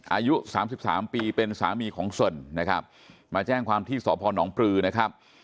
อายุ๓๓ปีเป็นสามีของส่วนนะครับมาแจ้งความที่สพนปรือนะครับ